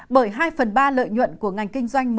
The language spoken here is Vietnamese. bởi hai phần ba lợi nhuận của ngành kinh doanh